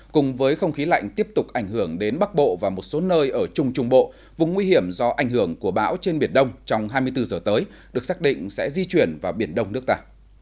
cùng với không khí lạnh tiếp tục ảnh hưởng đến bắc bộ và một số nơi ở trung trung bộ vùng nguy hiểm do ảnh hưởng của bão trên biển đông trong hai mươi bốn giờ tới được xác định sẽ di chuyển vào biển đông nước ta